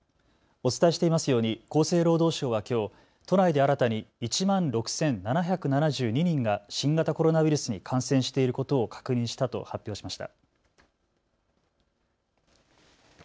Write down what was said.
お伝えしていますように厚生労働省はきょう都内で新たに１万６７７２人が新型コロナウイルスに感染していることを確認したと発表しました。